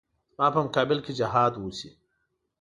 زما په مقابل کې جهاد وشي.